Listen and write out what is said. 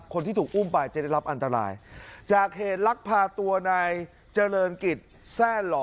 คนที่ถูกอุ้มไปจะได้รับอันตรายจากเหตุลักพาตัวนายเจริญกิจแทร่หล่อ